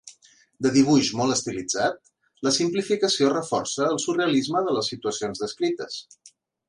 De dibuix molt estilitzat, la simplificació reforça el surrealisme de les situacions descrites.